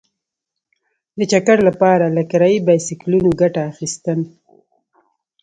د چکر لپاره له کرايي بایسکلونو ګټه اخیسته.